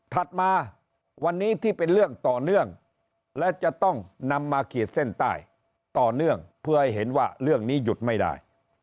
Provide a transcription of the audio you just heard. ถัดมาวันนี้ที่เป็นเรื่องต่อเนื่องและจะต้องนำมาขีดเส้นใต้ต่อเนื่องเพื่อให้เห็นว่าเรื่องนี้หยุดไม่ได้